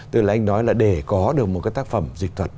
từ là anh nói là để có được một cái tác phẩm dịch thuật